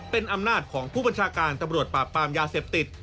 เป็นอำนาจของผู้บัญชาการตำรวจปราบปรามยาเสพติด